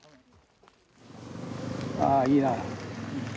ああいいな。